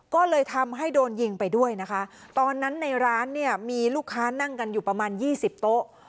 ก็เลยทำให้โดนยิงไปด้วยนะคะตอนนั้นในร้านเนี่ยมีลูกค้านั่งกันอยู่ประมาณยี่สิบโต๊ะ